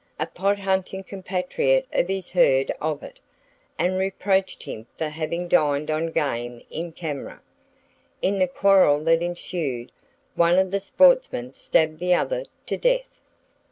A pot hunting compatriot of his heard of it, and reproached him for having dined on game in camera. In the quarrel that ensued, one of the "sportsmen" stabbed the other to death.